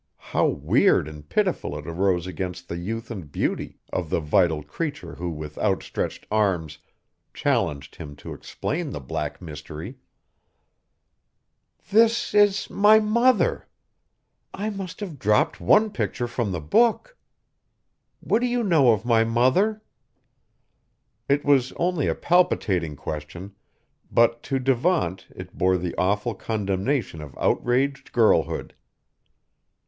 How weird and pitiful it arose against the youth and beauty of the vital creature who with outstretched arms challenged him to explain the black mystery! [Illustration: "'What do you know of my mother?'"] "This is my mother! I must have dropped one picture from the book. What do you know of my mother?" It was only a palpitating question, but to Devant it bore the awful condemnation of outraged girlhood.